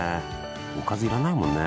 おかず要らないもんね